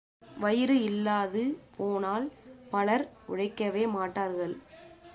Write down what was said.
வயிறு இல்லாது போனால் பலர் உழைக்கவே மாட்டார்கள்.